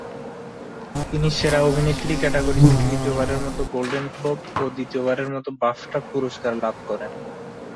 তিনি সেরা অভিনেত্রী ক্যাটাগরিতে তৃতীয়বারের মত গোল্ডেন গ্লোব ও দ্বিতীয়বারের মতো বাফটা পুরস্কার লাভ করেন।